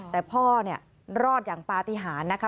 แต่พ่อเนี่ยรอดอย่างปลาทิหานะครับ